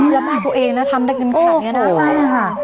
แล้วมาตัวเองนะทำได้กินขนาดนี้นะโอ้โหใช่ค่ะ